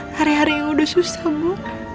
hari hari yang udah susah bu